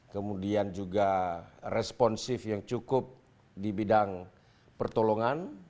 kemudian juga responsif yang cukup di bidang pertolongan